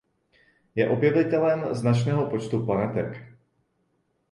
Je objevitelem značného počtu planetek.